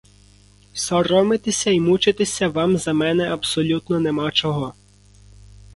Соромитися й мучитися вам за мене абсолютно нема чого.